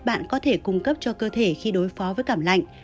bạn có thể cung cấp cho cơ thể khi đối phó với cảm lạnh